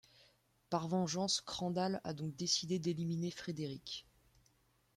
Par vengeance Crandall a donc décidé d'éliminer Frederick.